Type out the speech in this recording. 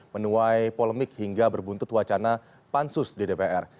menuai polemik hingga berbuntut wacana pansus di dpr